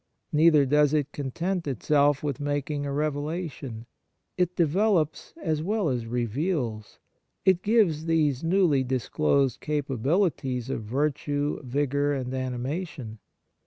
Neither does it content itself with making a revelation. It develops as well as reveals; it gives these newly disclosed capabilities of virtue, vigour and animation.